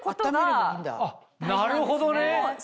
なるほどね！